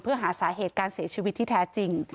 เพื่อหาสาเหตุการเสียชีวิตที่แท้จริง